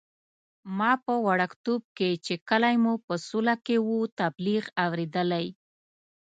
ما په وړکتوب کې چې کلی مو په سوله کې وو، تبلیغ اورېدلی.